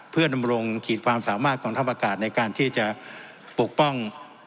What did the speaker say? เพื่อดำรงขีดความสามารถกองทัพอากาศในการที่จะปกป้อง